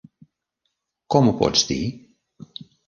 Com ho pots dir?